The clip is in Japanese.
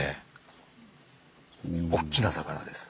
おっきな魚です。